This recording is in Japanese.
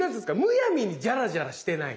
むやみにジャラジャラしてない。